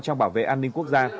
trong bảo vệ an ninh quốc gia